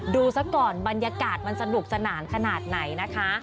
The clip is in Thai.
ซะก่อนบรรยากาศมันสนุกสนานขนาดไหนนะคะ